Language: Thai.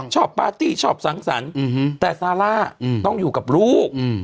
ปาร์ตี้ชอบสังสรรค์แต่ซาร่าต้องอยู่กับลูก